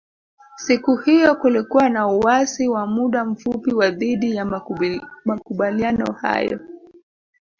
Siku hiyo kulikuwa na uasi wa muda mfupi wa dhidi ya makubaliano hayo